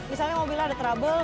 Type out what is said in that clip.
misalnya mobilnya ada trouble